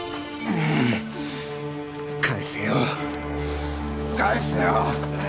返せよ。返せよ！